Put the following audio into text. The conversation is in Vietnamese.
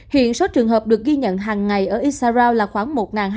hiện số trường hợp được ghi nhận hàng ngày ở israel là khoảng một hai trăm linh